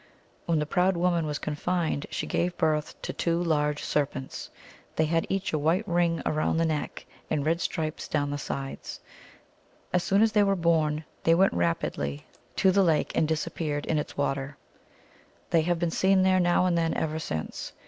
When the proud woman was confined, she gave birth to two large serpents. They had each a white ring round the neck and red stripes down the sides. As soon as they were born they went rapidly to the 1 The story was narrated in Indian English. AT 0 S1S, THE SERPENT. 277 lake, and disappeared in its water. They have been seen there, now and then, ever since.